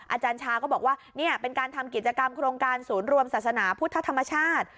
อาจารย์ชาก็บอกว่านี่เป็นการทำกิจกรรมโครงการศูนย์รวมศาสนาพุทธธรรมชาติ